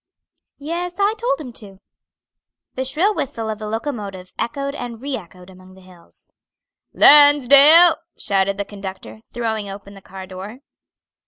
"Yes, I told him to." The shrill whistle of the locomotive echoed and re echoed among the hills. "Lansdale!" shouted the conductor, throwing open the car door.